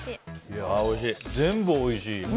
全部おいしい。